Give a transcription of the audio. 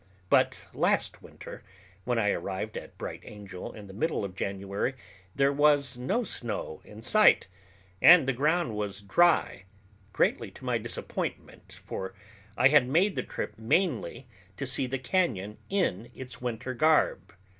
But last winter, when I arrived at Bright Angel in the middle of January, there was no snow in sight, and the ground was dry, greatly to my disappointment, for I had made the trip mainly to see the cañon in its winter garb.